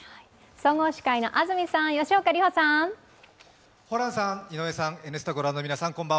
総合司会の安住さん、吉岡里帆さん！